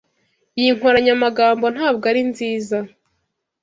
Iyi nkoranyamagambo ntabwo ari nziza.